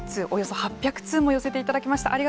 およそ８００通も寄せていただきました。